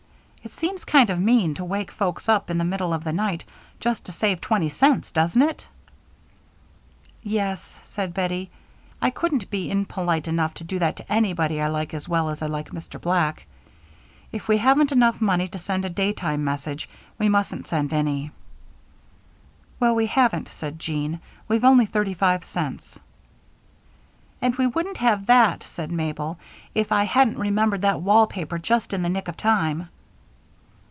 It seems kind of mean to wake folks up in the middle of the night just to save twenty cents, doesn't it?" "Yes," said Bettie. "I couldn't be impolite enough to do that to anybody I like as well as I like Mr. Black. If we haven't money enough to send a daytime message, we mustn't send any." "Well, we haven't," said Jean. "We've only thirty five cents." "And we wouldn't have had that," said Mabel, "if I hadn't remembered that wall paper just in the nick of time."